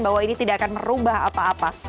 bahwa ini tidak akan merubah apa apa